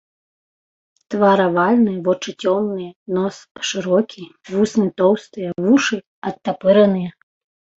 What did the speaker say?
Твар авальны, вочы цёмныя, нос шырокі, вусны тоўстыя, вушы адтапыраныя.